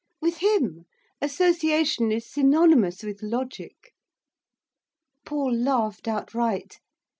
With him, association is synonymous with logic.' Paul laughed outright.